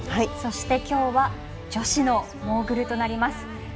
そして、きょうは女子のモーグルとなります。